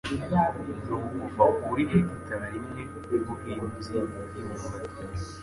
ni ukuva kuri hegitari imwe y'ubuhinzi bw'imyumbati